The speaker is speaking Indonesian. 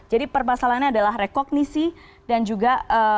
jadi permasalahannya adalah rekognisi dan juga